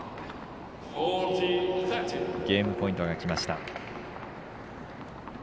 ゲームポイントがきました。